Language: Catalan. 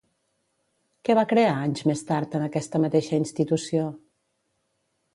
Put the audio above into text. Què va crear anys més tard en aquesta mateixa institució?